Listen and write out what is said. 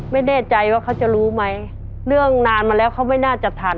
ไม่แน่ใจว่าเขาจะรู้ไหมเรื่องนานมาแล้วเขาไม่น่าจะทัน